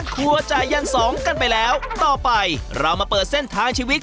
อยากให้ทุกคนได้ลองกินปลาขางสักครั้งในชีวิต